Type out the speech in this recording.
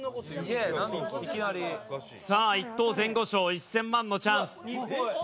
清水：さあ、１等前後賞１０００万のチャンス。